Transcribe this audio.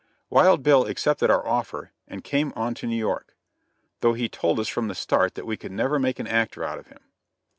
Wild Bill accepted our offer, and came on to New York; though he told us from the start that we could never make an actor out of him.